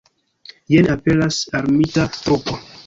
Jen aperas armita trupo.